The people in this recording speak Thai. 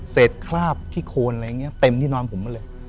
เศษคราบพิโคนอะไรอย่างนี้เต็มที่นอนผมก็เลย